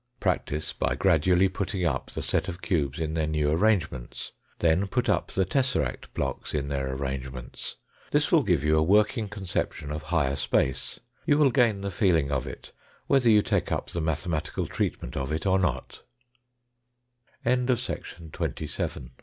Practise by gradually putting up the set of cubes in their new arrangements. Then put up the tesseract blocks in their arrangements. This will give you a working conception of higher space, you will gain the feeling of it, whether you take up the mathematical trea